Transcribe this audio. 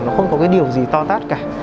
nó không có cái điều gì to tát cả